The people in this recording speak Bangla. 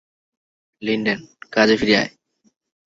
লিন্ডেন, কাজে ফিরে আয়!